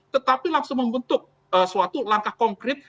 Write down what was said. tetapi langsung membentuk suatu langkah konkret